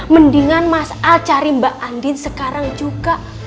mendingan mas al cari mbak andin sekarang juga